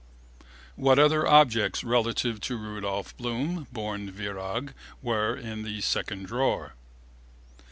What other objects relative to Rudolph Bloom (born Virag) were in the 2nd drawer?